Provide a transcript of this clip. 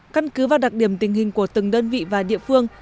căn cứ vào đặc điểm tình hình của từng đơn vị và địa phương